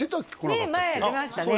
え前出ましたね